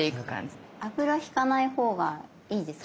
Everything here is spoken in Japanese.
油引かないほうがいいですか？